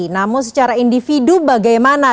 namun secara individu bagaimana